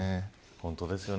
本当ですよね。